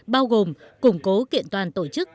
bao gồm củng cố kiện toàn tổ chức